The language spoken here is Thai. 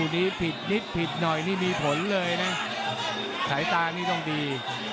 ท้ายตังค์นี่ต้องดี